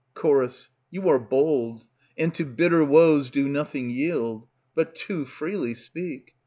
Ch. You are bold; and to bitter Woes do nothing yield, But too freely speak.